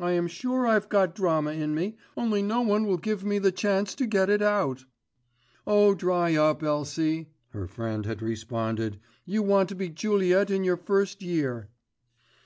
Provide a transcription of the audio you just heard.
I am sure I've got drama in me, only no one will give me the chance to get it out." "Oh! dry up, Elsie," her friend had responded, "you want to be Juliet in your first year."